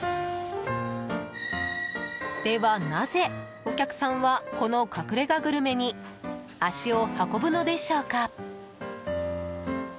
では、なぜお客さんはこの隠れ家グルメに足を運ぶのでしょうか？